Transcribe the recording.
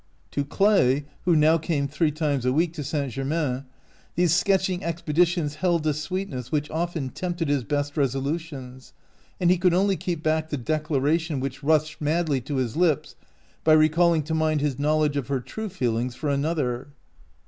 To Clay, who now came three times a week to St. Germain, these sketching expe ditions held a sweetness which often tempted his best resolutions, and he could only keep back the declaration which rushed madly to his lips by recalling to mind his knowledge of her true feelings for another.